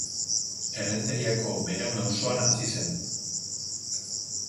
Errenteriako Beraun auzoan hazi zen.